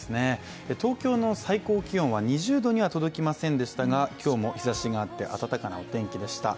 東京の最高気温は２０度には届きませんでしたが今日も日ざしがあって暖かなお天気でした。